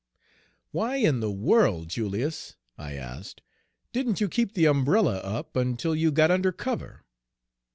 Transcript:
Page 165 "Why in the world, Julius," I asked, "didn't you keep the umbrella up until you got under cover?"